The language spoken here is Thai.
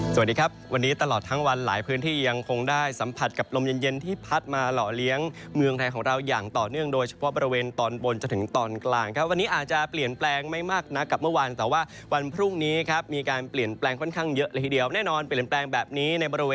สวัสดีครับวันนี้ตลอดทั้งวันหลายพื้นที่ยังคงได้สัมผัสกับลมเย็นเย็นที่พัดมาหล่อเลี้ยงเมืองไทยของเราอย่างต่อเนื่องโดยเฉพาะบริเวณตอนบนจนถึงตอนกลางครับวันนี้อาจจะเปลี่ยนแปลงไม่มากนักกับเมื่อวานแต่ว่าวันพรุ่งนี้ครับมีการเปลี่ยนแปลงค่อนข้างเยอะเลยทีเดียวแน่นอนเปลี่ยนแปลงแบบนี้ในบริเวณ